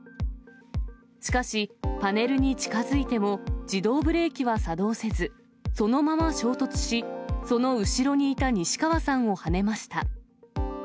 しかし、パネルに近づいても自動ブレーキは作動せず、そのまま衝突し、その後ろにいた西川さんをはねました。